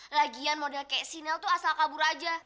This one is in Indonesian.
lagian model kayak si nel tuh asal kabur aja